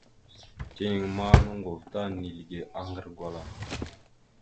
Tenaŋ ma, noŋgov ta nizləge aŋgar gwala.